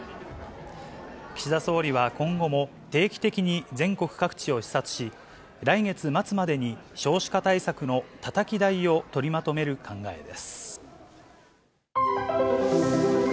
岸田総理は今後も、定期的に全国各地を視察し、来月末までに少子化対策のたたき台を取りまとめる考えです。